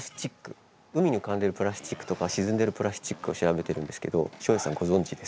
海に浮かんでいるプラスチックとか沈んでいるプラスチックを調べてるんですけど照英さんご存じですか？